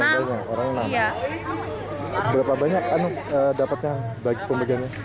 berapa banyak dapatnya pembagiannya